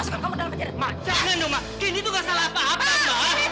saya akan memenjarakan kamu ke penjara anak anak